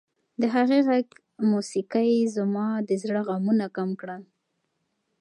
د هغې د غږ موسیقۍ زما د زړه غمونه کم کړل.